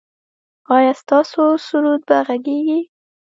ایا ستاسو سرود به غږیږي؟